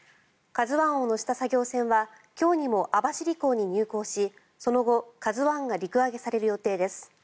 「ＫＡＺＵ１」を載せた作業船は今日にも網走港に入港しその後、「ＫＡＺＵ１」が陸揚げされる予定です。